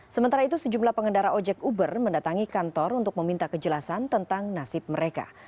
sementara itu sejumlah pengendara ojek uber mendatangi kantor untuk meminta kejelasan tentang nasib mereka